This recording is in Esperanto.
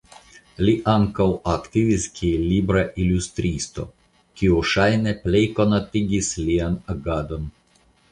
Li ankaŭ aktivis kiel libra ilustristo kio ŝajne pleje konatigis lian agadon.